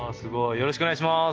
よろしくお願いします。